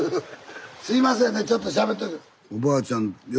すいませんねちょっとしゃべってくる。